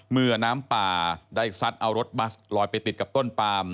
เมื่อน้ำป่าได้ซัดเอารถบัสลอยไปติดกับต้นปาม